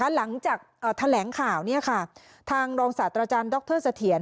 หลังจากแถลงข่าวทางรองศาสตราจารย์ดรเสถียร